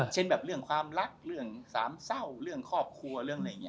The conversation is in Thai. เช่นแบบเรื่องความรักเรื่องสามเศร้าเรื่องครอบครัวเรื่องอะไรอย่างนี้